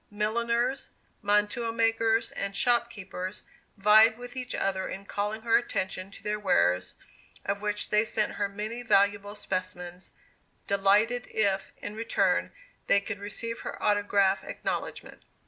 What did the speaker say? Milliners, mantua makers, and shopkeepers vied with each other in calling her attention to their wares, of which they sent her many valuable specimens, delighted if, in return, they could receive her autograph acknowledgment.